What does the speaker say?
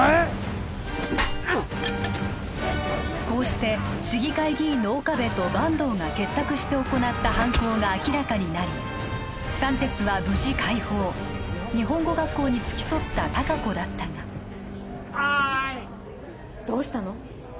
こうして市議会議員の岡部と阪東が結託して行った犯行が明らかになりサンチェスは無事解放日本語学校に付き添った隆子だったがあっ！どうしたの！？